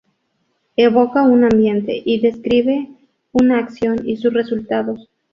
Evoca a un ambiente, y describe una acción y sus resultados.